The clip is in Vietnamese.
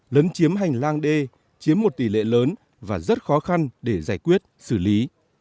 lấn chiếm hành lang đê chiếm một tỷ lệ lớn và rất khó khăn để giải quyết xử lý